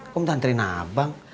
kok mau t'anterin abang